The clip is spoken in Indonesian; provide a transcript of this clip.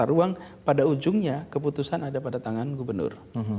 karena memang pada ujungnya keputusan ada pada tangan gubernur